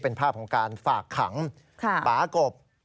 เป็นภาพของการฝากขังป๊ากบ